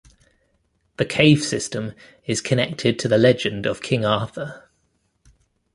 The cave system is connected to the legend of King Arthur.